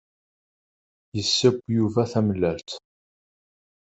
Yesseww Yuba tamellalt.